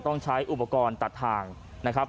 ต้องใช้อุปกรณ์ตัดทางนะครับ